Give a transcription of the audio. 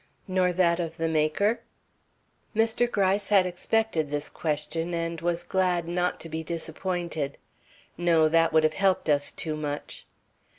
"Nor that of the maker?" Mr. Gryce had expected this question, and was glad not to be disappointed. "No, that would have helped us too much."